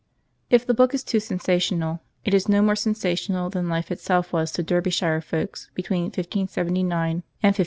If the book is too sensational, it is no more sensa tional than life itself was to Derbyshire folk between 1579 and 1588.